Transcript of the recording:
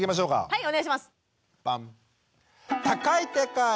はいお願いします。